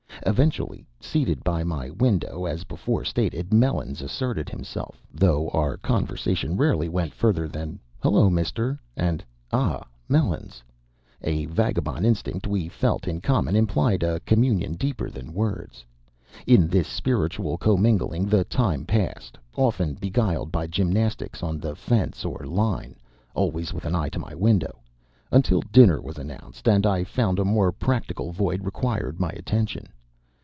Eventually, seated by my window, as before stated, Melons asserted himself. Though our conversation rarely went further than "Hello, Mister!" and "Ah, Melons!" a vagabond instinct we felt in common implied a communion deeper than words. In this spiritual commingling the time passed, often beguiled by gymnastics on the fence or line (always with an eye to my window) until dinner was announced and I found a more practical void required my attention.